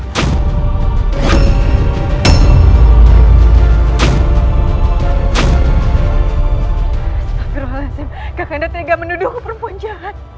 astagfirullahaladzim kakanda tidak menuduhku perempuan jahat